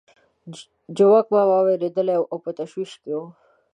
جومک ماما وېرېدلی وو او په تشویش کې وو.